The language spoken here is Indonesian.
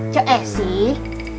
cuk eh sih